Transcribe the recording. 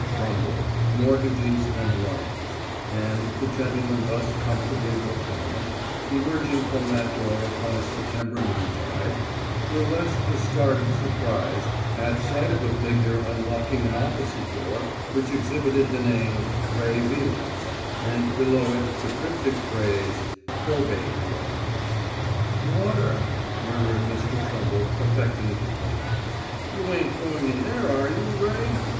Trumble, Mortgages and Loans"; and the gentleman thus comfortably, proclaimed, emerging from that door upon a September noontide, burlesqued a start of surprise at sight of a figure unlocking an opposite door which exhibited the name, "Ray Vilas," and below it, the cryptic phrase, "Probate Law." "Water!" murmured Mr. Trumble, affecting to faint. "You ain't going in there, are you, Ray?"